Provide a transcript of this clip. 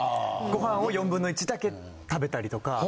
ご飯を４分の１だけ食べたりとか。